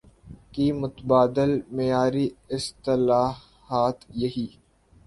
کی متبادل معیاری اصطلاحات یہی